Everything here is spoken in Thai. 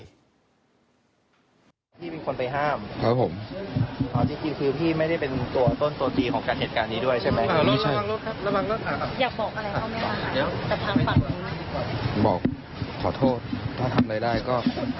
ขอโทษถ้าทำอะไรด้ายก็